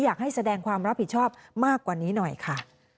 อยากให้แสดงความรับผิดชอบมากกว่านี้หน่อยค่ะ